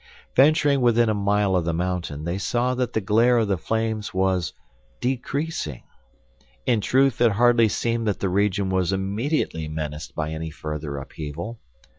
Venturing within a mile of the mountain, they saw that the glare of the flames was decreasing. In truth it hardly seemed that the region was immediately menaced by any further upheaval.